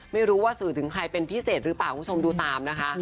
ไม่รู้ว่าสื่อถึงใครเป็นพิเศษหรือเปล่าคุณผู้ชมดูตามนะคะ